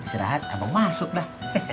si rahat abang masuk dah